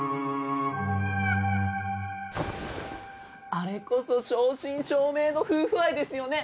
あれこそ正真正銘の夫婦愛ですよね！